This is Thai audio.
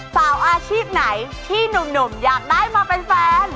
สาวอาชีพไหนที่หนุ่มอยากได้มาเป็นแฟน